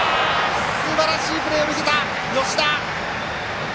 すばらしいプレーを見せた吉田！